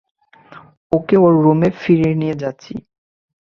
ওকে ওর রুমে ফিরিয়ে নিয়ে যাচ্ছি।